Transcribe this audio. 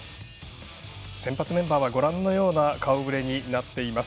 先発メンバーはご覧のような顔ぶれになっています。